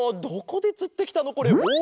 どこでつってきたのこれ？